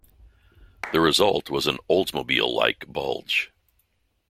The result was an Oldsmobile-like "bulge".